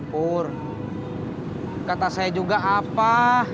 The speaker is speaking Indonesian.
kur kata saya juga apa